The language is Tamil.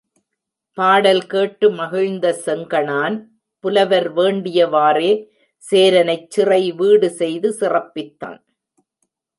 பாடல் கேட்டு மகிழ்ந்த செங்கணான், புலவர் வேண்டியவாறே, சேரனைச் சிறை வீடு செய்து சிறப்பித்தான்.